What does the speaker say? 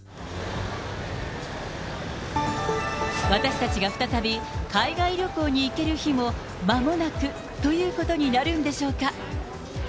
私たちが再び海外旅行に行ける日もまもなくということになるんでしょうか。